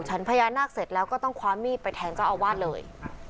พญานาคเสร็จแล้วก็ต้องคว้ามีดไปแทงเจ้าอาวาสเลย